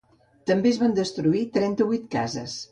També es van destruir trenta-vuit cases.